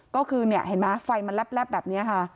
ก็คือเนี่ยเห็นไหมไฟมันแลบแบบนี้ค่ะ